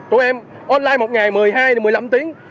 tụi em online một ngày một mươi hai một mươi năm tiếng